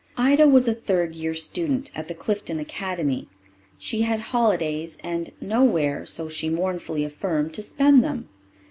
Ida was a third year student at the Clifton Academy; she had holidays, and nowhere, so she mournfully affirmed, to spend them.